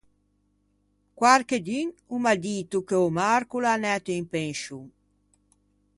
Quarchedun o m’à dito che o Marco o l’é anæto in penscion.